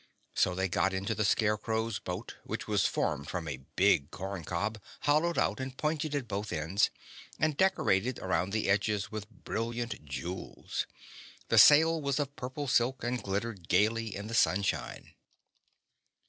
So they got into the Scarecrow's boat, which was formed from a big corncob, hollowed out and pointed at both ends and decorated around the edges with brilliant jewels. The sail was of purple silk and glittered gayly in the sunshine.